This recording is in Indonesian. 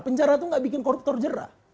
penjara itu nggak bikin koruptor jerah